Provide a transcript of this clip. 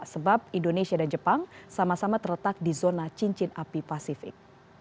sebab indonesia dan jepang sama sama terletak di zona cincin api pasifik